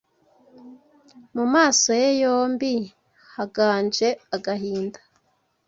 Mu maso ye yombi Haganje agahinda